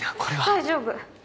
大丈夫。